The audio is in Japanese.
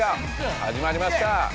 はじまりました！